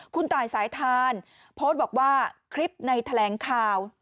คุณตายสายทานโพสต์บอกว่าคลิปในแถลงข่าว